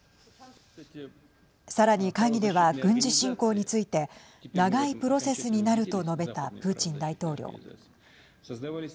さらに会議では軍事侵攻について長いプロセスになると述べたプーチン大統領。